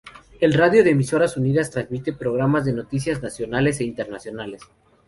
La radio Emisoras Unidas transmite programas de noticias nacionales e internacionales.